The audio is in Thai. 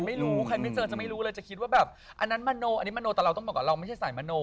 ไม่รู้ใครไม่เจอจะไม่รู้เลยจะคิดว่าแบบอันนั้นมโนอันนี้มโนแต่เราต้องบอกว่าเราไม่ใช่สายมโน